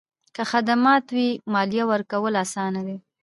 که خدمات وي، مالیه ورکول اسانه دي؟